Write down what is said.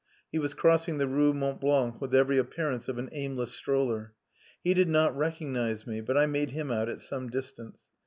He was crossing the Rue Mont Blanc with every appearance of an aimless stroller. He did not recognize me, but I made him out at some distance.